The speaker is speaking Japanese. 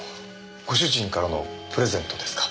ご主人からのプレゼントですか。